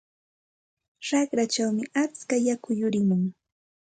Raqrachawmi atska yaku yurimun.